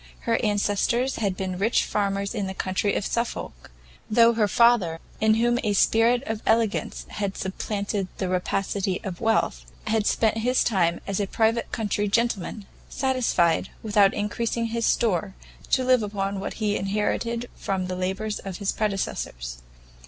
Her ancestors had been rich farmers in the county of Suffolk, though her father, in whom a spirit of elegance had supplanted the rapacity of wealth, had spent his time as a private country gentleman, satisfied, without increasing his store, to live upon what he inherited from the labours of his predecessors.